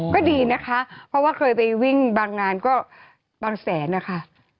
ก็ดีนะคะเพราะว่าเคยไปวิ่งบางงานก็บางแสนนะคะ